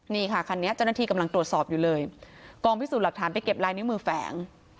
นี่ค่ะคันนี้เจ้าหน้าที่กำลังตรวจสอบอยู่เลยกองพิสูจน์หลักฐานไปเก็บลายนิ้วมือแฝง